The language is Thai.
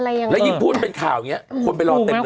แล้วยิ่งพูดเป็นข่าวอย่างนี้คนไปรอเต็มเลย